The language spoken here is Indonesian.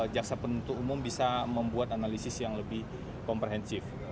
jaksa penuntut umum bisa membuat analisis yang lebih komprehensif